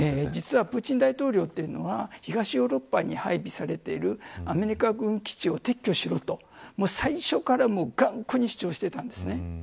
実はプーチン大統領というのは東ヨーロッパに配備されているアメリカ軍基地を撤去しろと最初から頑固に主張していたんです。